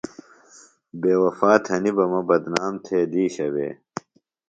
بے وفا تھنیۡ بہ مہ بدنام تھیئے دیشہ وے۔